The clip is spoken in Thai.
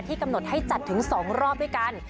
กำหนดให้จัดถึง๒รอบด้วยกัน